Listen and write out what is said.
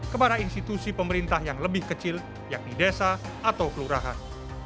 kepada institusi pemerintah yang lebih kecil yakni desa atau kelurahan